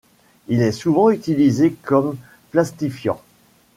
Il est souvent utilisé comme plastifiant.